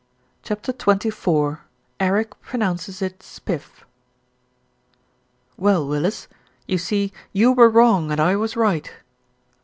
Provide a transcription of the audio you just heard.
CHAPTER XXIV ERIC PRONOUNCES IT SPIF "\\ TELL, Willis, you see you were wrong and I Y V was right."